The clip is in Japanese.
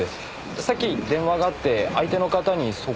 さっき電話があって相手の方にそこを伝えてましたから。